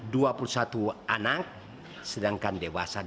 dan dua puluh satu anak sedangkan dewasa delapan orang